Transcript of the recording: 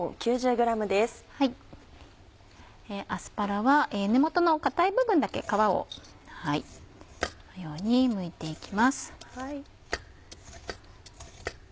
アスパラは根元の硬い部分だけ皮をこのようにむいていきます。